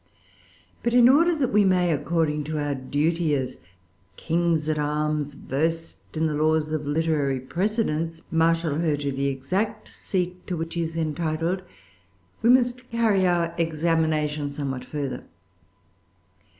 But in order that we may, according to our duty as kings at arms versed in the laws of literary precedence, marshal her to the exact seat to which she is entitled, we must carry our examination somewhat further.